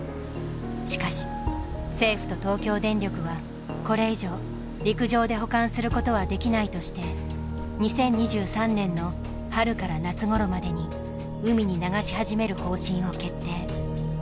しかし政府と東京電力はこれ以上陸上で保管することはできないとして２０２３年の春から夏ごろまでに海に流し始める方針を決定。